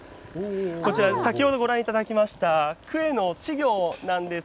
こちら、先ほどご覧いただきましたクエの稚魚なんです。